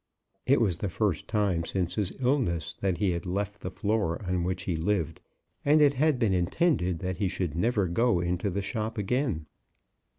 It was the first time since his illness that he had left the floor on which he lived, and it had been intended that he should never go into the shop again.